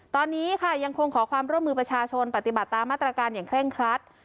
ตอนนี้ค่ะยังคงขอความร่วมมือประชาชนปฏิบัติตามมาตรการอย่างเคร่งครัด